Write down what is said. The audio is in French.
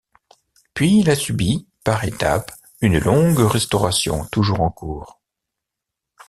Puis il a subi, par étape, une longue restauration toujours en cours.